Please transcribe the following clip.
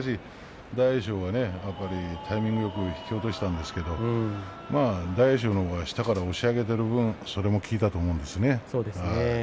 大栄翔がタイミングよく引き落としたんですけど大栄翔のほうが下から押し上げている分それも効いたと思うんですね。